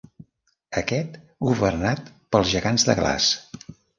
Aquest governat pels gegants de glaç.